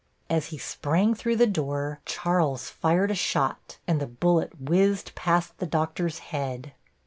As he sprang through the door Charles fired a shot, and the bullet whizzed past the doctor's head.